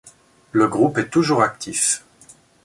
Le groupe est toujours actif.